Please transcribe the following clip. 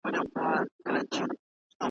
نوې ورځ نوی هیواد سي نوي نوي پلټنونه ,